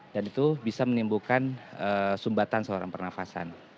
dan itu bisa menimbulkan sumbatan seorang pernafasan